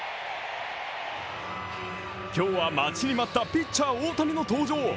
今日は待ちに待ったピッチャー・大谷の登場。